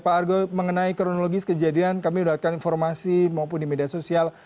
pak argo mengenai kronologis kejadian kami mendapatkan informasi maupun di media sosial